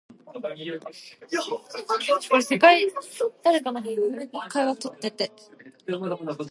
All work was done by robots.